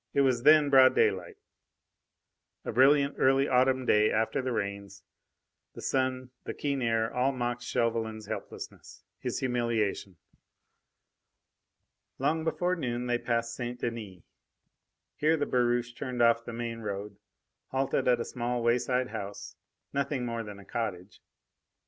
It was then broad daylight. A brilliant early autumn day after the rains. The sun, the keen air, all mocked Chauvelin's helplessness, his humiliation. Long before noon they passed St. Denis. Here the barouche turned off the main road, halted at a small wayside house nothing more than a cottage.